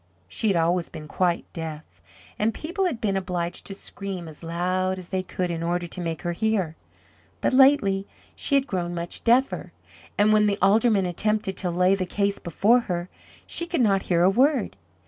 She had always been quite deaf and people had been obliged to scream as loud as they could in order to make her hear; but lately she had grown much deafer, and when the Aldermen attempted to lay the case before her she could not hear a word.